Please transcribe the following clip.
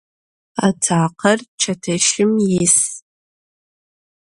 Atakher çeteşım yis.